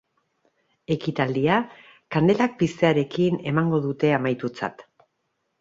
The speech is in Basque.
Ekitaldia, kandelak piztearekin emango dute amaitutzat.